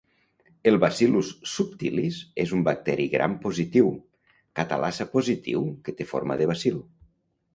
El Bacillus subtilis és un bacteri Gram positiu, Catalasa positiu que té forma de bacil.